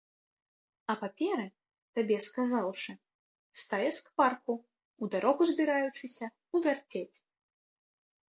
А паперы, табе сказаўшы, стае скварку, у дарогу збіраючыся, увярцець.